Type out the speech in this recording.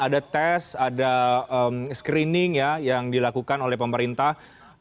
ada tes ada screening ya yang dilakukan oleh pemerintah